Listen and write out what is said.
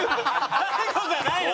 大悟じゃないの？